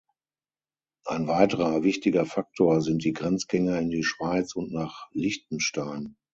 Ein weiterer wichtiger Faktor sind die Grenzgänger in die Schweiz und nach Liechtenstein.